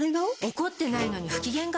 怒ってないのに不機嫌顔？